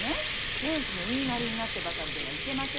亭主の言いなりになってばかりではいけませぬよ。